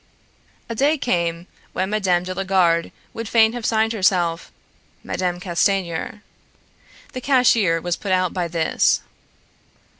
A day came when Mme. de la Garde would fain have signed herself "Mme. Castanier." The cashier was put out by this.